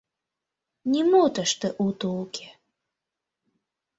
Нимо тыште уто уке.